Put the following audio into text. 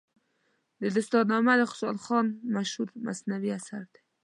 دستارنامه د خوشحال خان مشهور منثور اثر دی.